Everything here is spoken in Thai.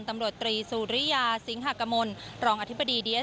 วางเสร็จคุณก็ถอยออกไปเดี๋ยวจัดการให้ของเนี่ย